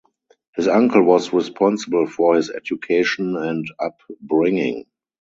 His uncle was responsible for his education and up bringing.